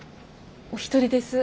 お一人です。